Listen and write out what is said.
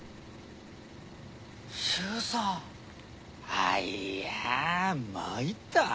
あいやまいった。